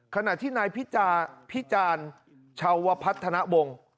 ขณะที่นายพิจารณ์ชาวพัฒนาวงศ์